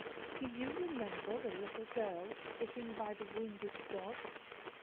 Do you remember the little girl sitting by the wounded dog?